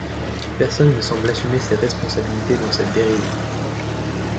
Personne ne semble assumer ses responsabilités dans cette dérive.